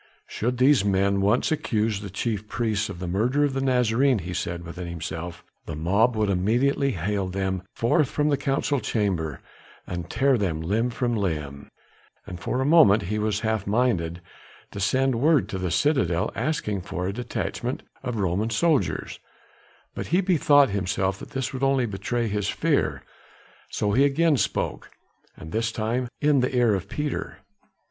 "Should these men once accuse the chief priests of the murder of the Nazarene," he said within himself, "the mob would immediately hale them forth from the council chamber and tear them limb from limb." And for a moment he was half minded to send word to the citadel asking for a detachment of Roman soldiers, but he bethought himself that this would only betray his fear. So he again spoke, and this time in the ear of Peter.